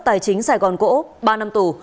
tài chính sài gòn cổ úp ba năm tù